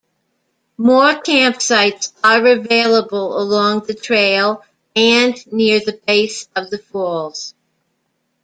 More campsites are available along the trail and near the base of the falls.